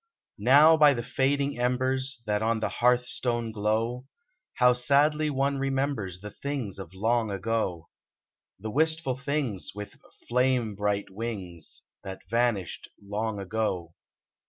Now by the fading embers That on the hearthstone glow, How sadly one remembers The things of long ago : The wistful things, with flame bright wings, That vanished long ago